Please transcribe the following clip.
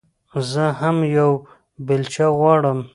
زه هم يوه بېلچه غواړم.